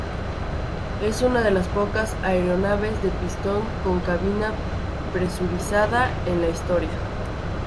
Es una de las pocas aeronaves de pistón con cabina presurizada en la historia.